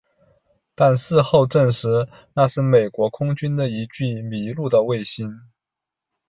但是事后证实那是美国空军的一具迷路的卫星。